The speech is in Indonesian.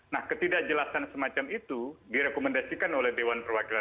nah ketidakjelasan semacam itu direkomendasikan oleh dewan perwakilan